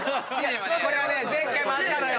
これは前回もあったのよ。